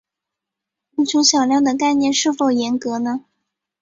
无穷小量的概念是否严格呢？